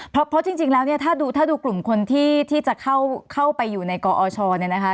เพราะจริงแล้วเนี่ยถ้าดูกลุ่มคนที่จะเข้าไปอยู่ในกอชเนี่ยนะคะ